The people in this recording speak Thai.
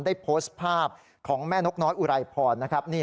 ได้โพสต์ภาพของแม่นกน้อยอุไรพรนะครับ